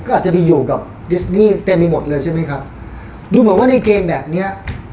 ก็อาจจะไปอยู่กับดิสนี่เต็มไปหมดเลยใช่ไหมครับดูเหมือนว่าในเกมแบบเนี้ย